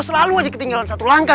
selalu aja ketinggalan satu langkah